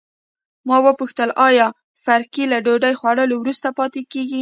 ما وپوښتل آیا فرګي له ډوډۍ خوړلو وروسته پاتې کیږي.